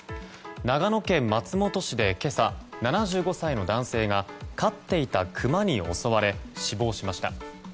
長野県松本市で今朝７５歳の男性が飼っていたクマに襲われ死亡しました。